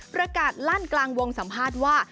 ประกาศลั่นกลางวงสัมภาษณ์ว่า